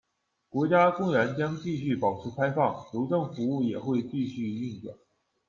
国家公园将继续保持开放，邮政服务也会继续运转。